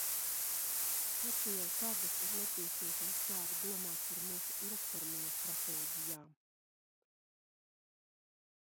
Taču jau tagad ir nepieciešams sākt domāt par mūsu ilgtermiņa stratēģijām.